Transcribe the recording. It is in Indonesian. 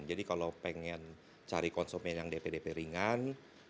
jadi kalau pengen cari konsumen yang dp dp ringan